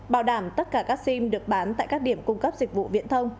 bảo đảm tất cả các sim được bán tại các điểm cung cấp dịch vụ viễn thông